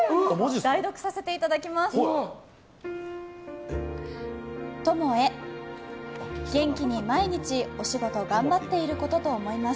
代読させていただきます。